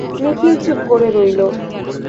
নিখিল চুপ করে রইল।